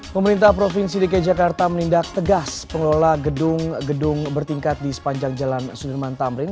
pemerintah provinsi dki jakarta menindak tegas pengelola gedung gedung bertingkat di sepanjang jalan sudirman tamrin